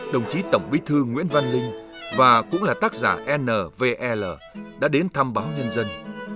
đồng chí tổng bí thư nguyễn văn linh và cũng là tác giả nvl đã đến thăm báo nhân dân